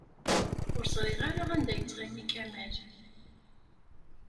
Ur ẓriɣ ara anda yettɣimi Kamal.